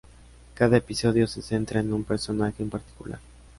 Cada episodio se centra en un personaje en particular.